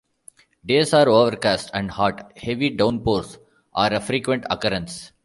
Days are overcast and hot; heavy downpours are a frequent occurrence.